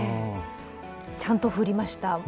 ちゃんと降りました。